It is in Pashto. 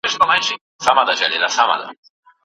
که میندې تعلیم ولري نو خرافات به نه مني.